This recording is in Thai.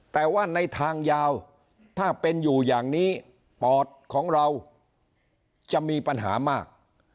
แต่ว่าในทางยาวถ้าเป็นอยู่อย่างนี้ปอดของเราจะมีปัญหามาก